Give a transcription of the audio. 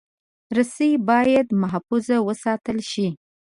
رسۍ باید محفوظ وساتل شي.